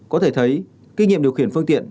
có thể thấy kinh nghiệm điều khiển phương tiện